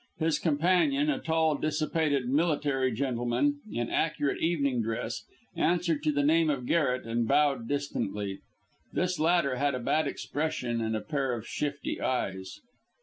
His companion, a tall, dissipated, military gentleman, in accurate evening dress, answered to the name of Garret, and bowed distantly. This latter had a bad expression and a pair of shifty eyes.